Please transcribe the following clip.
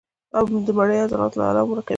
او د مرۍ عضلاتو له ارام ورکوي